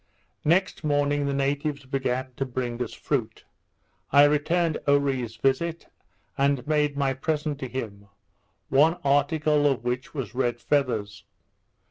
Next morning, the natives began to bring us fruit. I returned Oree's visit, and made my present to him; one article of which was red feathers.